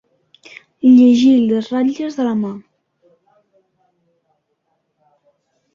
Llegir les ratlles de la mà.